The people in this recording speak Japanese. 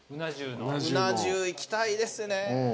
うな重いきたいですね。